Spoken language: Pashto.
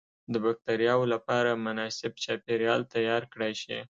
د بکترياوو لپاره مناسب چاپیریال تیار کړای شي.